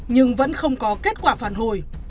nhưng vẫn không có kết quả phản hồi